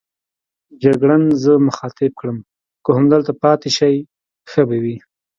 جګړن زه مخاطب کړم: که همدلته پاتې شئ ښه به وي.